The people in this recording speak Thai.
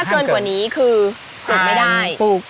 ถ้าเกินกว่านี้คือปลูกไม่ได้